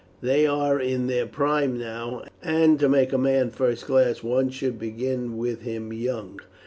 They are in their prime now; and to make a man first class, one should begin with him young.